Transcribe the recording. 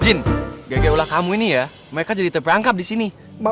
jin gaya gaya ulah kamu ini ya mereka jadi terperangkap disini